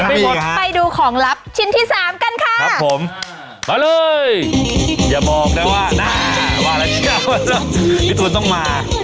ยังไม่หมดค่ะไปดูของลับชิ้นที่๓กันค่ะมาเลยอย่าบอกได้ว่าพี่ตูนต้องมา